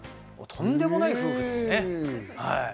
とんでもない夫婦です。